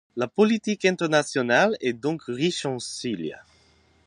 La politique internationale est donc riche en sigles.